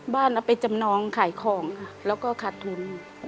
บ้านเอาไปจำนองขายของแล้วก็ขาดทุน